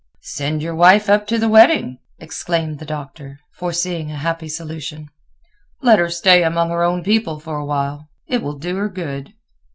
"Send your wife up to the wedding," exclaimed the Doctor, foreseeing a happy solution. "Let her stay among her own people for a while; it will do her good."